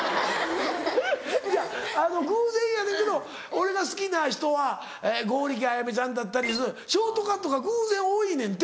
いやあの偶然やねんけど俺が好きな人は剛力彩芽ちゃんだったりショートカットが偶然多いねんて。